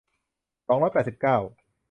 สองร้อยแปดสิบเก้า